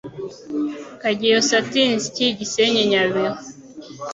Kageyo Satinsyi Gisenyi Nyabihu